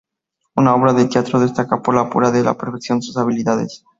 Una obra de teatro "destaca por la pura de la perfección sus habilidades.